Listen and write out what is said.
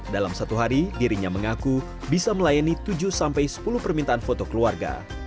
dalam satu hari dirinya mengaku bisa melayani tujuh sampai sepuluh permintaan foto keluarga